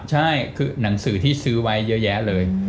ใช่คือหนังสือที่ซื้อไว้เยอะแยะเลย